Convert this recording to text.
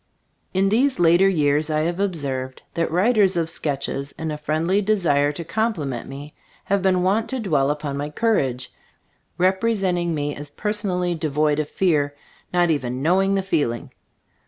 In these later years I have observed that writers of sketches, in a friendly desire to compliment me, have been wont to dwell upon my courage, rep resenting me as personally devoid of fear, not even knowing the feeling.